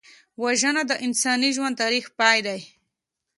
وژنه د انساني ژوند تریخ پای دی